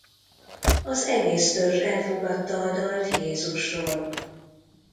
Az egész törzs elfogadta a dalt Jézusról.